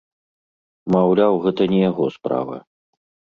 Маўляў, гэта не яго справа.